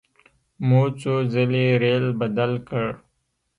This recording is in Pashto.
مو څو ځلې ریل بدل کړ.